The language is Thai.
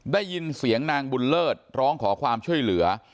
ได้ยินเสียงนางบุญเลิศร้องขอความช่วยเหลือ